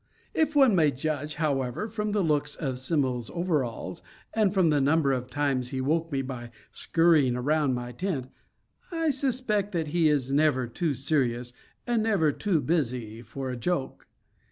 If one may judge, however, from the looks of Simmo's overalls, and from the number of times he woke me by scurrying around my tent, I suspect that he is never too serious and never too busy for a joke.